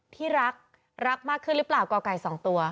ที่รักรักมากขึ้นหรือเปล่าก่อไก่๒ตัว